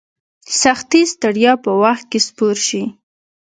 سختي ستړیا په وخت کې سپور شي.